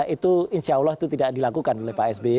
itu insya allah itu tidak dilakukan oleh pak sby